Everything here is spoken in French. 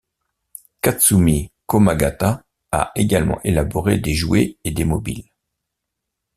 Katsumi Komagata a également élaboré des jouets et des mobiles.